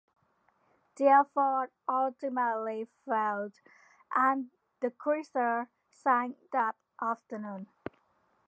The effort ultimately failed, and the cruiser sank that afternoon.